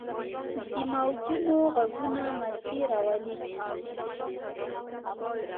د موجونو ږغونه مستي راولي.